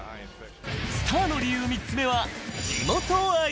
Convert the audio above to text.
スターの理由、３つ目は地元愛。